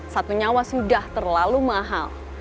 satu nyawa sudah terlalu mahal